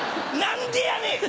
何でやねん！